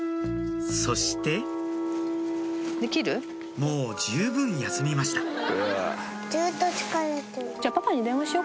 そしてもう十分休みました